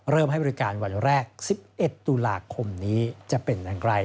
ให้บริการวันแรก๑๑ตุลาคมนี้จะเป็นอย่างไร